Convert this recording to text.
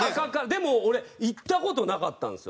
でも俺行った事なかったんですよ。